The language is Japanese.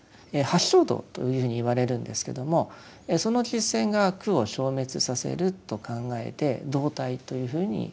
八正道というふうにいわれるんですけどもその実践が苦を消滅させると考えて道諦というふうに呼ばれました。